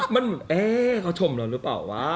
มันแอ้เขาชมเราหรือเปล่าวะ